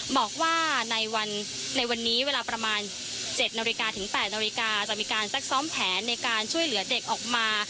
บอกว่าในวันนี้เวลาประมาณ๗๘นจะมีการทรักซ้อมแผนในการช่วยเหลือเด็กออกมา